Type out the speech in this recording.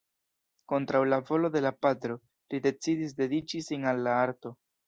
Kontraŭ la volo de la patro, li decidis dediĉi sin al la arto.